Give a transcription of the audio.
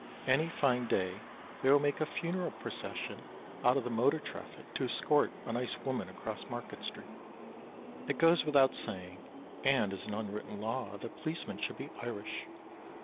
Any fine day they will make a funeral procession out of the motor traffic to escort a nice woman across Market street. It goes without saying and is an unwritten law that policemen should be Irish.